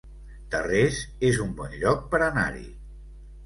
Tarrés es un bon lloc per anar-hi